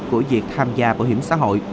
của việc tham gia bảo hiểm xã hội